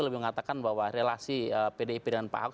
lebih mengatakan bahwa relasi pdip dan pak ahok